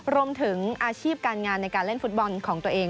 รวมถึงอาชีพการงานในการเล่นฟุตบอลของตัวเอง